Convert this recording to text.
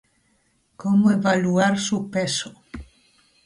Cómo evaluar su peso